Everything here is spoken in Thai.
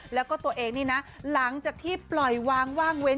แล้วก็ตัวเองนี่นะหลังจากที่ปล่อยวางว่างเว้น